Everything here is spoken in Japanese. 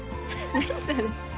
何それ。